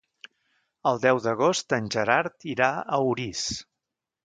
El deu d'agost en Gerard irà a Orís.